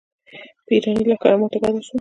په اېراني لښکرو ماته ګډه شوه.